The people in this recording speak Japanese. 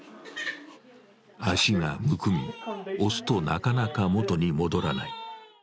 足がむくみ、押すとなかなか元に戻らない。